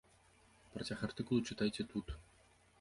Працяг артыкулу чытайце тут.